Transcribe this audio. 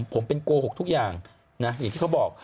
ผมเป็นโกหกทุกอย่างนะอย่างที่เขาบอก